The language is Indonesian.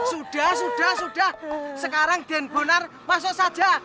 sudah sudah sudah sekarang gen bonar masuk saja